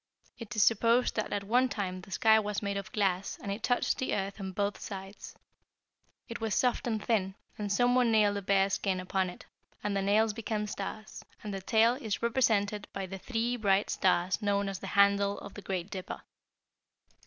It is supposed that at one time the sky was made of glass and it touched the earth on both sides. It was soft and thin, and someone nailed a bear skin upon it, and the nails became stars; and the tail is represented by the three bright stars known as the handle of the Great Dipper.